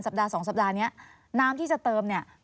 ปัดสองสัปดาห์นี้น้ำที่จะเติมเนี่ย